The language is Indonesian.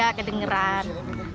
tapi sekarang ini sudah kelihatan